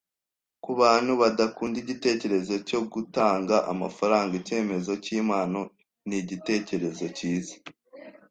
Kubantu badakunda igitekerezo cyo gutanga amafaranga, icyemezo cyimpano nigitekerezo cyiza